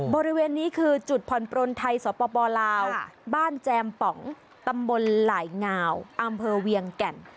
บริเวณนี้คือจุดผ่อนปลนไทยสปลาวบ้านแจมป๋องตำบลหลายงาวอำเภอเวียงแก่น